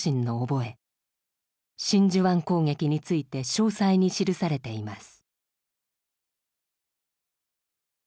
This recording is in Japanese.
真珠湾攻撃について詳細に記されています。